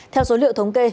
theo số liệu thống kê